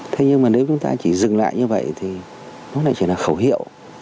thế nhưng mà nếu chúng ta chỉ dừng lại như vậy thì nó lại chỉ là khẩu hiệu